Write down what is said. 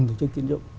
tổ chức tiến dụng